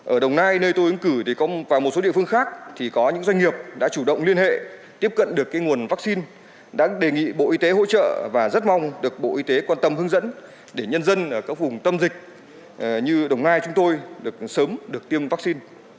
ở đồng nai nơi tôi ứng cử thì một số địa phương khác thì có những doanh nghiệp đã chủ động liên hệ tiếp cận được nguồn vaccine đã đề nghị bộ y tế hỗ trợ và rất mong được bộ y tế quan tâm hướng dẫn để nhân dân ở các vùng tâm dịch như đồng nai chúng tôi được sớm được tiêm vaccine